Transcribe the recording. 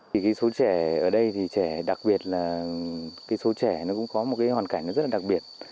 thì cái số trẻ ở đây thì trẻ đặc biệt là cái số trẻ nó cũng có một cái hoàn cảnh nó rất là đặc biệt